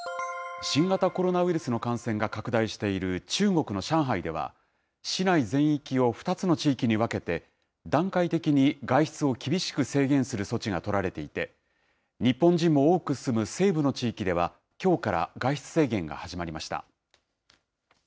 新型コロナウイルスの感染が拡大している中国の上海では、市内全域を２つの地域に分けて、段階的に外出を厳しく制限する措置が取られていて、日本人も多く住む西部の地域では、きょうから外出制限が始まりました。